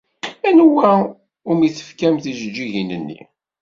Anwa umi tefkamt tijeǧǧigin-nni?